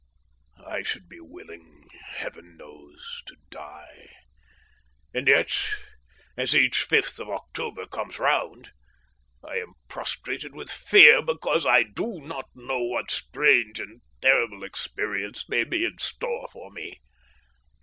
I should be willing, Heaven knows, to die, and yet as each 5th of October comes round, I am prostrated with fear because I do not know what strange and terrible experience may be in store for me.